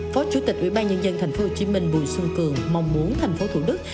phó chủ tịch ủy ban nhân dân thành phố hồ chí minh bùi xuân cường mong muốn thành phố thủ đức